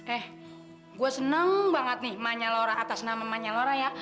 eh gue seneng banget nih mami laura atas nama mami laura ya